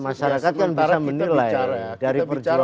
ya masyarakat kan bisa menilai dari perjuangan itu